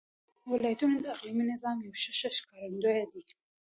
ولایتونه د اقلیمي نظام یو ښه ښکارندوی دی.